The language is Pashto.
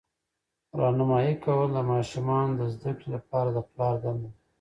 راهنمایي کول د ماشومانو د زده کړې لپاره د پلار دنده ده.